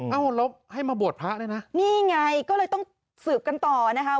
เอ้าแล้วให้มาบวชพระด้วยนะนี่ไงก็เลยต้องสืบกันต่อนะคะ